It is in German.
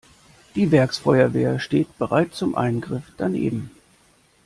Die Werksfeuerwehr steht bereit zum Eingriff daneben.